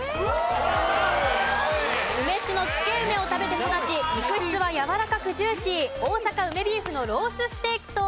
梅酒の漬け梅を食べて育ち肉質はやわらかくジューシー大阪ウメビーフのロースステーキと。